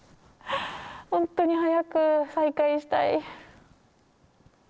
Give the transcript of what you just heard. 本当に早く再開したい。